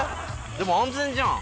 でも安全じゃん。